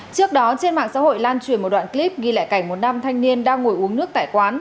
trước đó trên mạng xã hội lan truyền một đoạn clip ghi lại cảnh một nam thanh niên đang ngồi uống nước tại quán